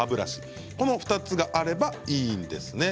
この２つがあればいいんですね。